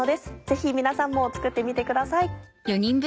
ぜひ皆さんも作ってみてください。